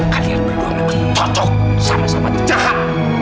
kalian berdua memang ketocok sama sama jahat